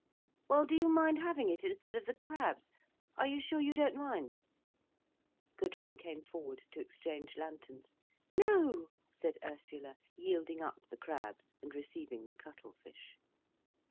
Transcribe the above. "Well do you mind having it instead of the crabs? Are you sure you don't mind?" Gudrun came forward to exchange lanterns. "No," said Ursula, yielding up the crabs and receiving the cuttle fish.